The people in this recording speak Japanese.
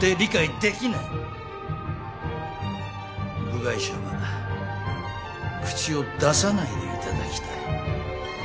部外者は口を出さないでいただきたい。